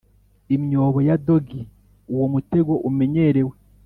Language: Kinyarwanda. imyobo ya dodgy, uwo mutego umenyerewe.